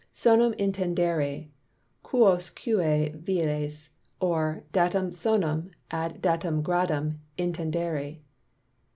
Sonum intendere quousque velis; or, Datum sonum ad datum gradum intendere.